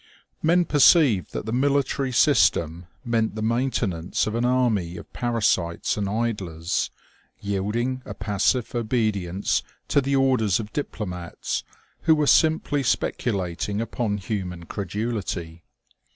Men perceived that the military system meant the main tenance of an army of parasites and idlers, yielding a pas sive obedience to the orders of diplomats, who were sim ply speculating upon human credulity.